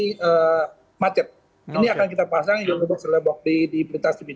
ini akan kita pasang yang yellow box adalah yang diberitahukan sebidang